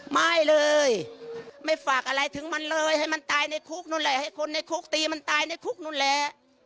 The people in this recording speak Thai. ไม่เลยไม่ฝากอะไรถึงมันเลยให้มันตายในคุกนู่นแหละให้คนในคุกตีมันตายในคุกนู่นแหละ